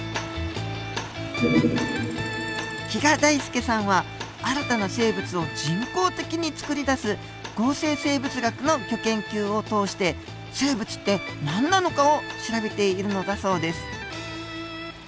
木賀大介さんは新たな生物を人工的につくり出す合成生物学のギョ研究を通して生物って何なのかを調べているのだそうです。